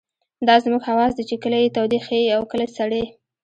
دا زموږ حواس دي چې کله يې تودې ښيي او کله سړې.